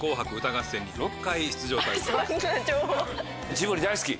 ジブリ大好き？